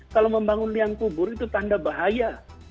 kalau membangun liang kubur itu tanda bahaya